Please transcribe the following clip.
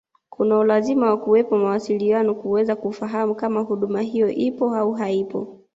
kuna ulazima wa kuwepo mawasiliano kuweza kufahamu kama huduma hiyo ipo au haipo